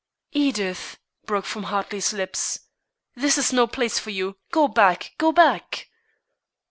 "Edith!" broke from Hartley's lips. "This is no place for you! Go back! go back!"